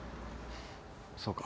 そうか。